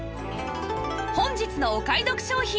本日のお買い得商品